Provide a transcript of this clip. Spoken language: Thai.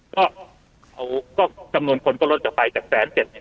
ก็เอาก็จำนวนคนก็ลดออกไปจากแสนเจ็ดเนี่ย